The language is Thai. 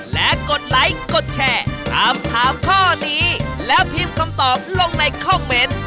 และกดไลค์กดแชร์ถามถามข้อนี้แล้วพิมพ์คำตอบลงในคอมเมนต์